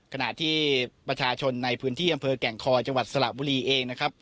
ขณะที่ประชาชนในพื้นที่อำเภอแก่งคอยจังหวัดสระบุรีเองนะครับ